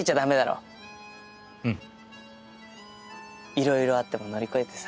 いろいろあっても乗り越えてさ。